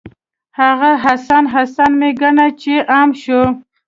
هغه حسن، حسن مه ګڼه چې عام شو